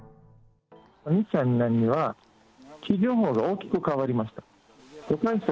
２０００年には基準法が大きく変わりました。